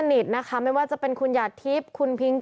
คือแม้ว่าจะมีการเลื่อนงานชาวพนักกิจแต่พิธีไว้อาลัยยังมีครบ๓วันเหมือนเดิม